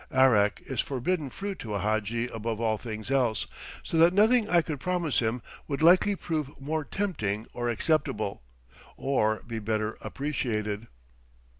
Arrack is forbidden fruit to a hadji above all things else, so that nothing I could promise him would likely prove more tempting or acceptable, or be better appreciated!